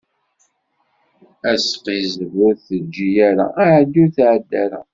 Asqizzeb, ur teǧǧi ara; aεeddi, ur tεedda ara.